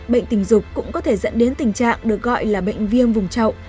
bệnh tình dục cũng có thể dẫn đến tình trạng được gọi là bệnh viêm vùng trậu